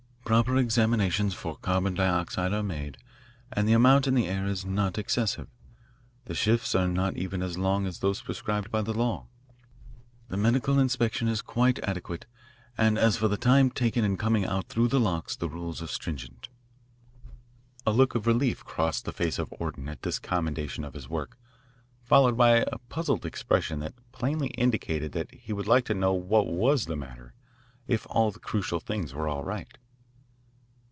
Proper examinations for carbon dioxide are made, and the amount in the air is not excessive. The shifts are not even as long as those prescribed by the law. The medical inspection is quite adequate and as for the time taken in coming out through the locks the rules are stringent." A look of relief crossed the face of Orton at this commendation of his work, followed by a puzzled expression that plainly indicated that he would like to know what was the matter, if all the crucial things were all right.